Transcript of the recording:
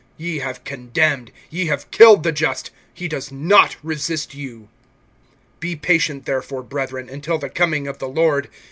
(6)Ye have condemned, ye have killed the just; he does not resist you. (7)Be patient therefore, brethren, until the coming of the Lord.